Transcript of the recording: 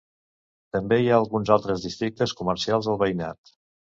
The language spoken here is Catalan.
També hi ha alguns altres districtes comercials al veïnat.